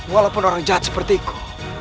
walaupun orang jahat seperti aku